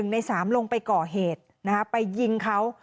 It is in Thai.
ใน๓ลงไปก่อเหตุไปยิงเขา